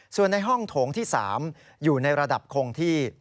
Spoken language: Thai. ส่วนในห้องโถงที่๓อยู่ในระดับคงที่